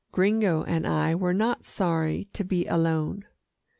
Gringo and I were not sorry to be alone.